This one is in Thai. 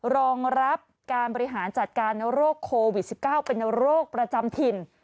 รองรับการบริหารจัดการโรคโควิด๑๙เป็นโรคประจำถิ่น